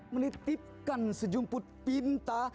menitipkan sejumput pinta